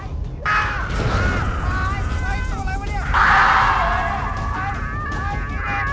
ไม่จะข้าว